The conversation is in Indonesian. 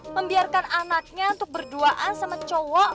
membiarkan anaknya untuk berduaan sama cowok